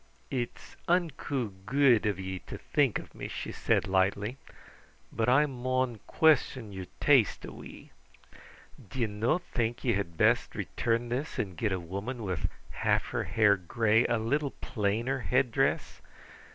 "It's unco guid of ye to think of me," she said lightly, "but I maun question your taste a wee. D'ye no think ye had best return this and get a woman with half her hair gray a little plainer headdress?